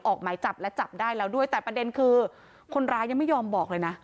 ออกหมายจับและจับได้แล้วด้วยแต่ประเด็นคือคนร้ายยังไม่ยอมบอกเลยนะ